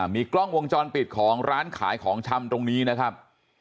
มีกล้องวงจรปิดของร้านขายของชำตรงนี้นะครับ